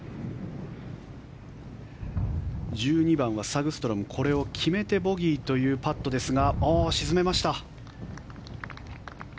１２番はサグストロムこれを決めてボギーというパットですが沈めました。